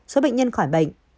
số bệnh nhân khỏi bệnh